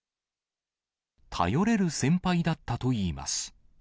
頼れる先輩だったといいます。